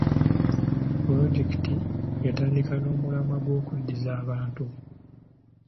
Pulojekiti yatandika n'omulamwa gw'okuddiza abantu.